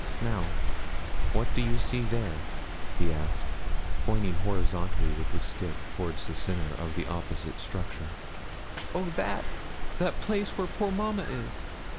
'Now, what do you see there?' he asked, pointing horizontally with his stick towards the centre of the opposite structure. 'Oh, that that place where poor mamma is?'